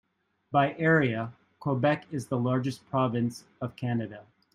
By area, Quebec is the largest province of Canada.